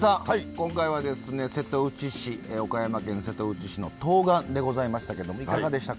今回はですね瀬戸内市岡山県瀬戸内市のとうがんでございましたけどいかがでしたか？